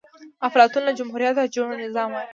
افلاطون له جمهوريته جوړ نظام وای